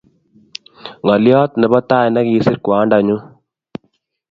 Ngolyot nebo tai negisiir kwandanyu